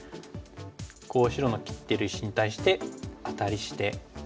こう白の切ってる石に対してアタリして。